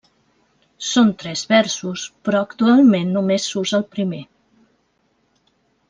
Són tres versos, però actualment només s'usa el primer.